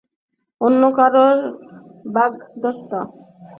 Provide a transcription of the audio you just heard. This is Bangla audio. অন্য কারো বাগদত্তা।